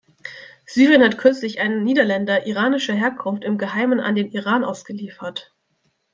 Syrien hat kürzlich einen Niederländer iranischer Herkunft im Geheimen an den Iran ausgeliefert.